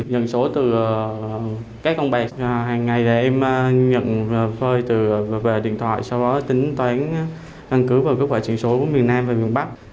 nhận phơi về điện thoại sau đó tính toán đăng cứu và kết quả truyền số của miền nam và miền bắc